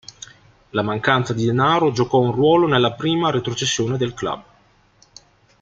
La mancanza di denaro giocò un ruolo nella prima retrocessione del club.